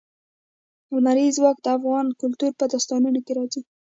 لمریز ځواک د افغان کلتور په داستانونو کې راځي.